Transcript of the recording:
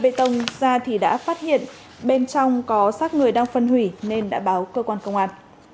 bê tông ra thì đã phát hiện bên trong có xác người đang phân hủy nên đã báo cơ quan công an